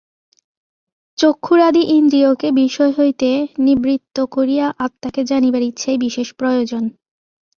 চক্ষুরাদি ইন্দ্রিয়কে বিষয় হইতে নিবৃত্ত করিয়া আত্মাকে জানিবার ইচ্ছাই বিশেষ প্রয়োজন।